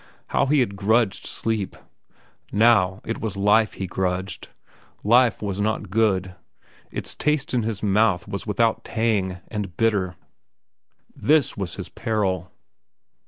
How he had grudged sleep! Now it was life he grudged. Life was not good; its taste in his mouth was without tang, and bitter. This was his peril.